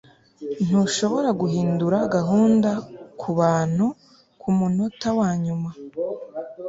ntushobora guhindura gahunda kubantu kumunota wanyuma